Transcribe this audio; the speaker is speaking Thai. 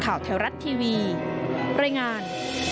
ข่าวแถวรัฐทีวีประงาน